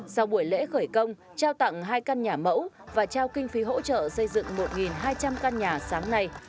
sau buổi lễ khởi công trao tặng hai căn nhà mẫu và trao kinh phí hỗ trợ xây dựng một hai trăm linh căn nhà sáng nay